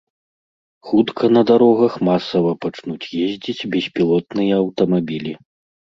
Хутка на дарогах масава пачнуць ездзіць беспілотныя аўтамабілі.